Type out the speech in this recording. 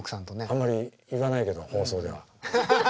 あんまり言わないけど放送では。